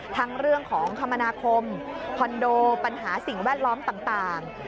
ทั้งเรื่องของคมนาคมคอนโดปัญหาสิ่งแวดล้อมต่าง